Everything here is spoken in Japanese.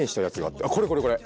あっこれこれこれ。